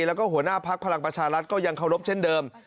แล้วก็หัวหน้าพักพลังประชารัฐก็ยังเคารพเช่นเดิม